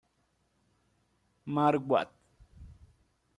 Maar wat?